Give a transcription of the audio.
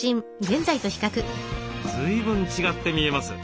随分違って見えます。